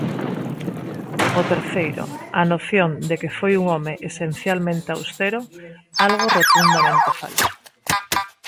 O terceiro, a noción de que foi un home esencialmente austero, algo rotundamente falso.